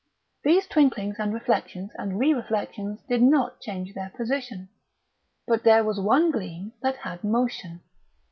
These twinklings and reflections and re reflections did not change their position; but there was one gleam that had motion.